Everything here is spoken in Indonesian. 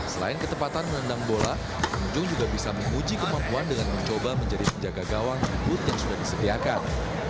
selain ketepatan menendang bola pengunjung juga bisa menguji kemampuan dengan mencoba menjadi penjaga gawang di booth yang sudah disediakan